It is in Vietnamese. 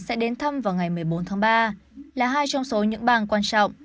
sẽ đến thăm vào ngày một mươi bốn tháng ba là hai trong số những bang quan trọng